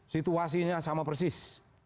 situasinya sama persis